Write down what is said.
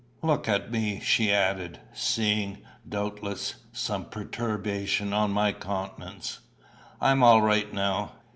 Look at me," she added, seeing, doubtless, some perturbation on my countenance, "I'm all right now."